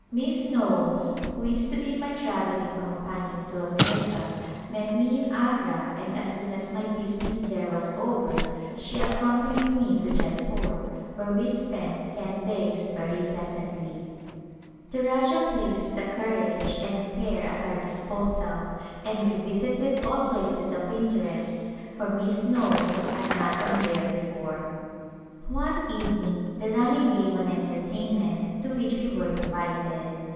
Miss Knowles, who is to be my travelling companion to America, met me in Agra and as soon [■91] A GliJnpse of India as my business there was over she accompanied me to Jevpore, where we spent ten days very pleasantly. The Rajah placed a carriage and pair at our disposal and we visited all places of interest, for Miss Knowles had not been there before. One evening the Rani gave an entertainment to which we were invited.